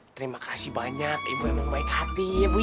terima kasih banyak ibu emang baik hati ya bu